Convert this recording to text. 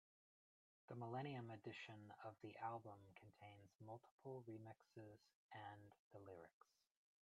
The millennium edition of the album contains multiple remixes and the lyrics.